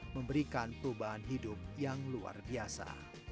memberikan perubahan hidup yang luar biasa